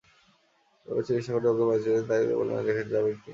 একবার চিকিৎসা করে ওঁকে বাঁচিয়েছিলেন, তাইতো বললাম দেখতে যাবেন কিনা।